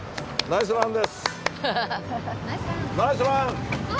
ナイスラン！